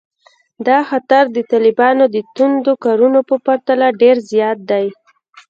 دا خطر د طالبانو د توندو کارونو په پرتله ډېر زیات دی